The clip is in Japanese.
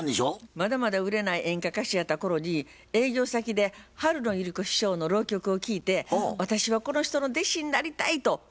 まだまだ売れない演歌歌手やった頃に営業先で春野百合子師匠の浪曲を聴いて私はこの人の弟子になりたいと思ったんです。